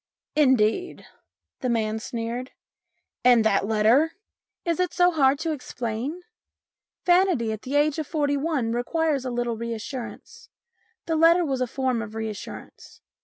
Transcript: "Indeed?" the man sneered. "And that letter ?" "Is it so hard to explain ? Vanity at the age of forty one requires a little reassurance. The letter was a form of reassurance.